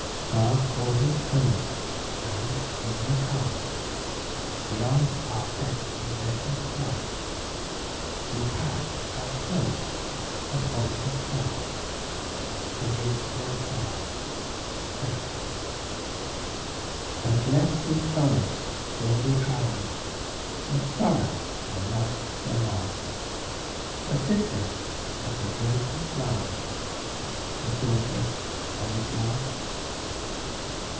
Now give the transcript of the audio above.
God called him Home. And, in the calm Beyond our best possessions priced, He passed, as floats a faultless psalm, To his fair Father, Christ. But left as solace for the hours Of sorrow and the loss thereof; A sister of the birds and flowers, The daughter of his love.